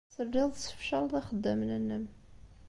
Telliḍ tessefcaleḍ ixeddamen-nnem.